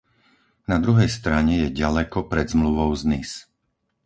Na druhej strane je ďaleko pred zmluvou z Nice.